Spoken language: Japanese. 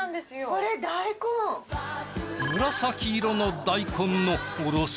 紫色の大根のおろし？